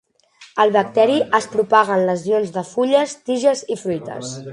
El bacteri es propaga en lesions de fulles, tiges i fruites.